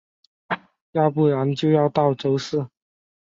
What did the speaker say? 要不然就要到周四